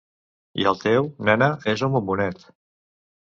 I el teu, nena, és un bombonet...